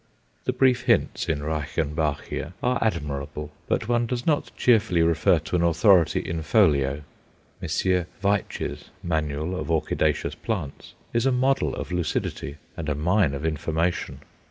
The brief hints in "Reichenbachia" are admirable, but one does not cheerfully refer to an authority in folio. Messrs. Veitch's "Manual of Orchidaceous Plants" is a model of lucidity and a mine of information.